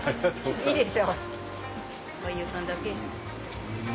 いいでしょう。